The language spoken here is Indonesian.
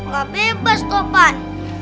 gak bebas topan